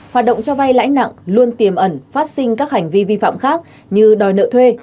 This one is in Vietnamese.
hoạt động cho vay lãi nặng luôn tiềm ẩn phát sinh các hành vi vi phạm khác như đòi nợ thuê